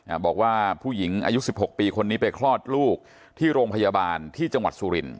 บอกว่าผู้หญิงอายุสิบหกปีคนนี้ไปคลอดลูกที่โรงพยาบาลที่จังหวัดสุรินท